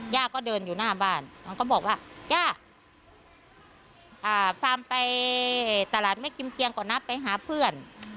ย่าก็เดินอยู่หน้าบ้านมันก็บอกว่าย่าฟาร์มไปตลาดแม่กิมเกียงก่อนนัดไปหาเพื่อน